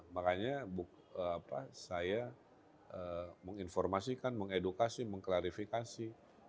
makanya saya menginformasikan mengedukasi mengklarifikasi